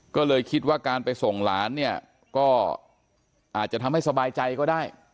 ก็เลยคิดว่าการไปส่งหลานเนี่ยก็อาจจะทำให้สบายใจก็ได้